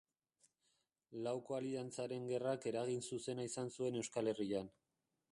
Lauko Aliantzaren Gerrak eragin zuzena izan zuen Euskal Herrian.